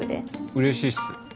うれしいっす。